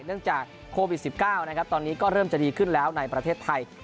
เนื่องจากโควิด๑๙นะครับตอนนี้ก็เริ่มจะดีขึ้นแล้วในประเทศไทย